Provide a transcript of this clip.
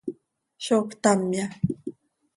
¿Zó ctamya?